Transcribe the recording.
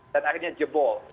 dan akhirnya jebol